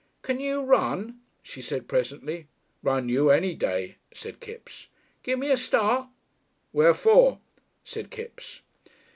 "Can you run?" she said presently. "Run you any day," said Kipps. "Gimme a start?" "Where for?" said Kipps.